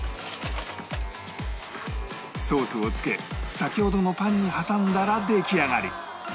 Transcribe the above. ソースをつけ先ほどのパンに挟んだら出来上がり